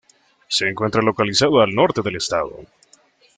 Se encuentra localizado al norte del estado.